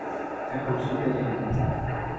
এখন শুতে যান।